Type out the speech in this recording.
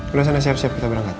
kalau sana siap siap kita berangkat